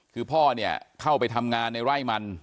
คือพ่อเนี่ยเข้าไปทำงานในไร่มัน